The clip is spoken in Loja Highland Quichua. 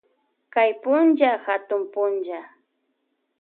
Kay punlla katun pulla.